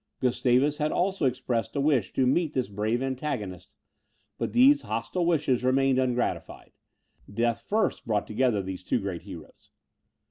Gustavus had also expressed a wish to meet his brave antagonist, but these hostile wishes remained ungratified; death first brought together these two great heroes.